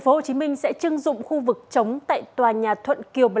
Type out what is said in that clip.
tp hcm sẽ chưng dụng khu vực chống tại tòa nhà thuận kiều bảy